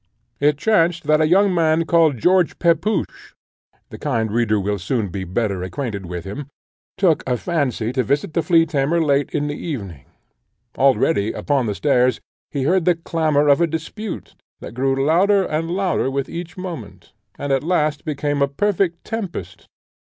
It chanced that a young man, called George Pepusch, the kind reader will soon be better acquainted with him, took a fancy to visit the flea tamer late in the evening. Already, upon the stairs, he heard the clamour of a dispute, that grew louder and louder with every moment, and at last became a perfect tempest.